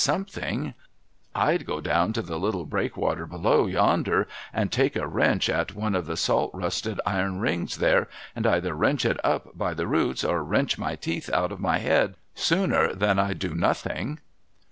* Something ! I'd go down to the little breakwater below yonder, and take a wrench at one of the salt rusted iron rings there, and either wrench it up by the roots or wrench my teeth out of my head, sooner than I'd do nothing.